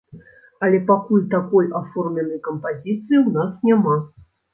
Але пакуль такой аформленай кампазіцыі ў нас няма.